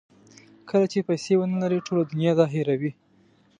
کله چې پیسې ونلرئ ټوله دنیا دا هیروي.